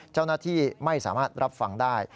เจ้าหน้าที่ไม่สามารถรับฟังได้